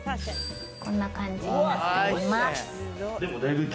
こんな感じになっております。